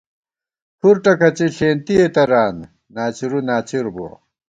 کھُر ٹکَڅَی ݪېنتِئے تران ، ناڅِرُو ناڅِر بُوَہ